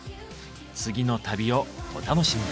次の旅をお楽しみに。